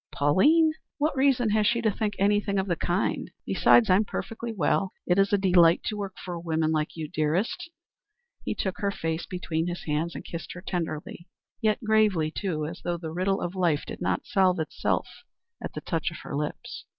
"Pauline? What reason has she to think anything of the kind? Besides, I am perfectly well. It is a delight to work for a woman like you, dearest." He took her face between his hands and kissed her tenderly; yet gravely, too, as though the riddle of life did not solve itself at the touch of her lips.